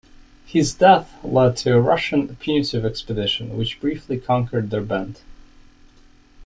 His death led to a Russian punitive expedition which briefly conquered Derbent.